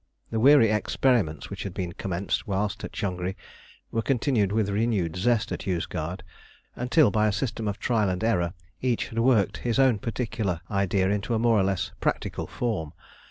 The weary experiments which had been commenced whilst at Changri were continued with renewed zest at Yozgad, until by a system of trial and error each had worked his own particular idea into a more or less practical form.